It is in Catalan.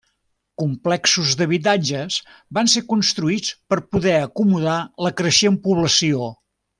Complexos d'habitatges van ser construïts per poder acomodar la creixent població.